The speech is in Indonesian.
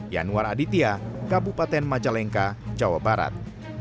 yanwar aditya kabupaten majalengka jawa barat